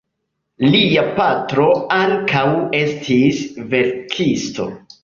Lia patro ankaŭ estis verkisto.